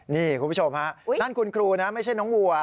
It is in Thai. นี่คุณผู้ชมฮะนั่นคุณครูนะไม่ใช่น้องวัว